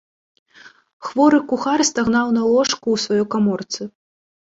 Хворы кухар стагнаў на ложку ў сваёй каморцы.